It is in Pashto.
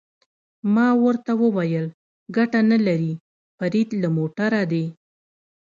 ما ورته وویل: ګټه نه لري، فرید له موټره دې.